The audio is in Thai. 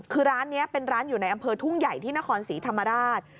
คือร้านนี้เป็นร้านอยู่ในอำเภอทุ่งใหญ่ที่นครศรีธรรมราช